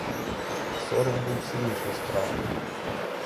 Сором був сильніший страху.